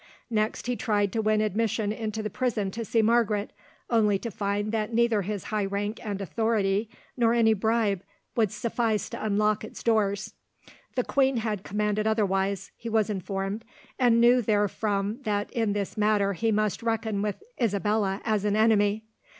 Next he tried to win admission into the prison and see Margaret, only to find that neither his high rank and authority nor any bribe would suffice to unlock its doors. The queen had commanded otherwise, he was informed, and knew therefrom that in this matter he must reckon with Isabella as an enemy.